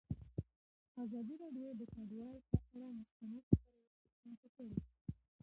ازادي راډیو د کډوال پر اړه مستند خپرونه چمتو کړې.